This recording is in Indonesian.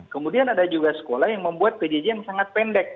kemudian ada juga sekolah yang membuat pjj yang sangat pendek